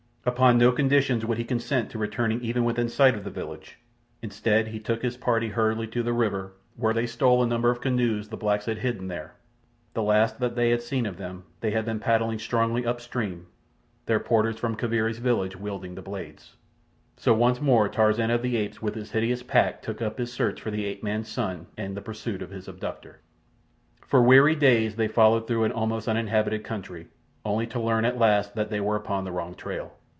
Upon no conditions would he consent to returning even within sight of the village. Instead, he took his party hurriedly to the river, where they stole a number of canoes the blacks had hidden there. The last that had been seen of them they had been paddling strongly up stream, their porters from Kaviri's village wielding the blades. So once more Tarzan of the Apes with his hideous pack took up his search for the ape man's son and the pursuit of his abductor. For weary days they followed through an almost uninhabited country, only to learn at last that they were upon the wrong trail.